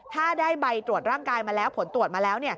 ถ้าได้ใบตรวจร่างกายมาแล้วผลตรวจมาแล้ว